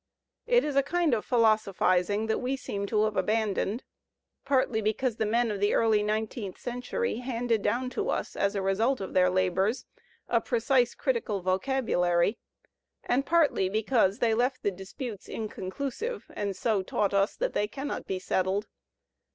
It is a kind of philosophizing that we seem to have abandoned, partly because the men of the early nineteenth century handed down to us as a result of their labours a precise critical vocabulary, and partly because they left the disputes Digitized by Google 194 THE SPmiT OP AMERICAN LlTEMTtJllE inconclusive and so taught us that they cannot be settled.